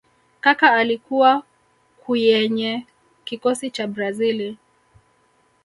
Kaka alikuwa kwyenye kikosi cha brazili